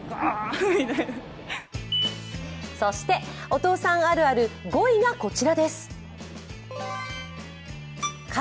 お父さんあるある５位がこちらです。